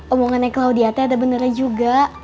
omongannya claudia ada beneran juga